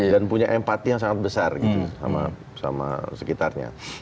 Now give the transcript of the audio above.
dan punya empati yang sangat besar gitu sama sekitarnya